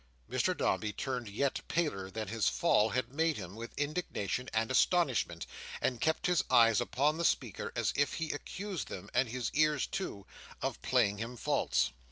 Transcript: Mr Dombey turned yet paler than his fall had made him, with indignation and astonishment; and kept his eyes upon the speaker as if he accused them, and his ears too, of playing him false.